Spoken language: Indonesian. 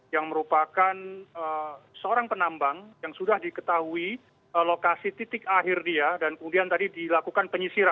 yang merupakan seorang penambang yang sudah diketahui lokasi titik akhir dia dan kemudian tadi dilakukan penyisiran